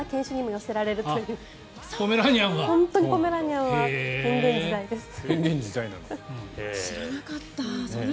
知らなかった。